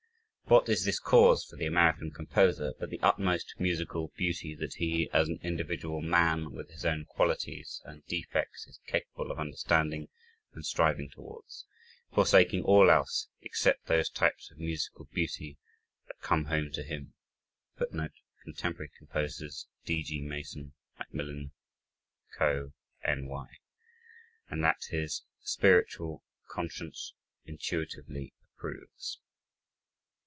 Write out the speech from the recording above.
What is this cause for the American composer but the utmost musical beauty that he, as an individual man, with his own qualities and defects, is capable of understanding and striving towards? forsaking all else except those types of musical beauty that come home to him," [footnote: Contemporary Composers, D. G. Mason, Macmillan Co., N. Y.] and that his spiritual conscience intuitively approves.